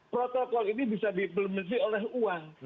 protokol ini bisa diimplementasi oleh uang